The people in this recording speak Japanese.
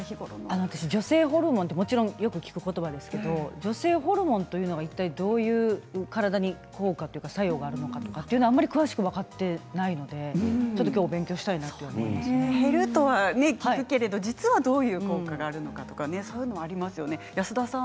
私、女性ホルモンてもちろんよく聞く言葉ですけど女性ホルモンというのはいったいどういう体に効果、作用があるのかあんまり詳しく分かっていないので減るとは聞くけど実はどういう効果があるのかとかそういうものありますよね。